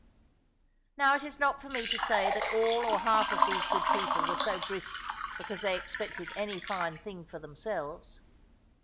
Now it is not for me to say that all or half of these good people were so brisk because they expected any fine thing for themselves.